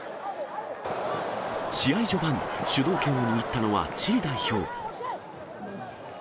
試合序盤、主導権を握ったのはチリ代表。